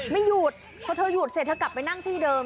ไม่หยุดพอเธอหยุดเสร็จเธอกลับไปนั่งที่เดิม